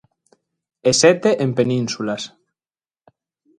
E sete en Penínsulas.